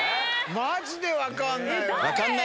まじで分かんない。